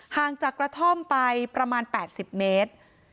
ห่างจากกระท่อมไปประมาณ๘๐เมตร